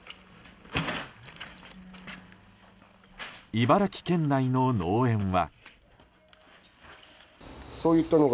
茨城県内の農園は。